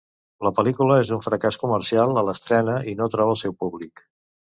La pel·lícula és un fracàs comercial a l'estrena i no troba el seu públic.